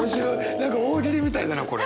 何か大喜利みたいだなこれ。